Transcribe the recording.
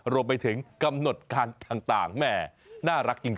รวมไปถึงกำหนดการต่างแม่น่ารักจริง